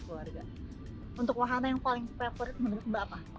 untuk wahana yang paling favorit menurut mbak apa